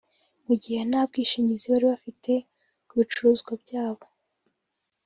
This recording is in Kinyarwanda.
Mu gihe nta bwishingizi bari bafite ku bicuruzwa byabo